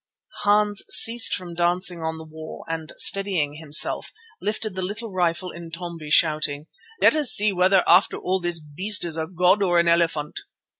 Hans ceased from dancing on the wall and steadying himself, lifted the little rifle Intombi, shouting: "Let us see whether after all this beast is a god or an elephant."